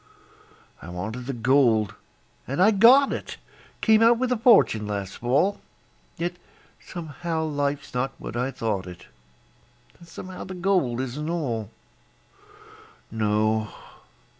I wanted the gold, and I got it Came out with a fortune last fall, Yet somehow life's not what I thought it, And somehow the gold isn't all. No!